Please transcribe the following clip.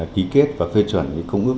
ký kết và phê chuẩn công ước